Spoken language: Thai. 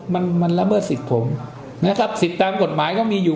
มันมันละเมิดสิทธิ์ผมนะครับสิทธิ์ตามกฎหมายก็มีอยู่